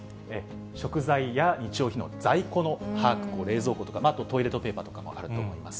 食材や日用品の在庫の把握、冷蔵庫とかあと、トイレットペーパーとかもあると思います。